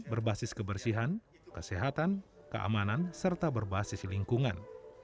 berbasis kebersihan kesehatan keamanan serta berbasis lingkungan